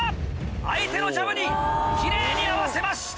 相手のジャブに奇麗に合わせました。